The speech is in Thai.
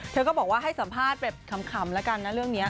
เธอก็บอกว่าให้สัมภาษณ์แบบขำแล้วกันนะเรื่องนี้